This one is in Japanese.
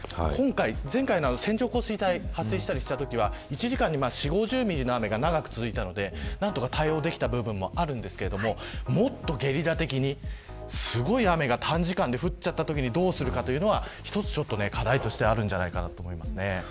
前回の線状降水帯が発生したときは１時間に４０５０ミリの雨が続いたので対応できた部分もありますがもっとゲリラ的にすごい雨が短時間で降ったときにどうするかというのは一つ課題としてあると思います。